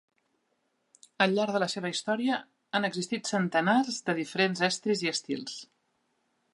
Al llarg de la seva història han existit centenars de diferents estris i estils.